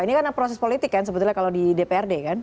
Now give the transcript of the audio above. ini karena proses politik kan sebetulnya kalau di dprd kan